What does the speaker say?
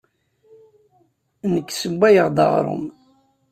Nekk ssewwayeɣ-d aɣrum.